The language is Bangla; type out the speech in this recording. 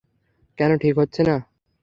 কেন ঠিক হচ্ছে না?